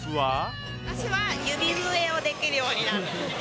私は、指笛をできるようになる。